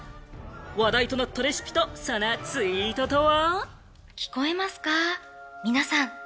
話題となったレシピと、そのツイートとは。